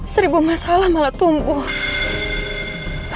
seribu masalah malah tumbuh